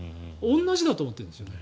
同じだと思っているんですよ。